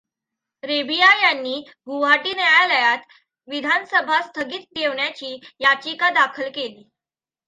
रेबिया यांनी गुवाहाटी न्यायालयात विधानसभा स्थगित ठेवण्याची याचिका दाखल केली.